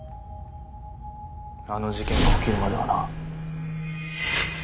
あの事件が起きるまではな。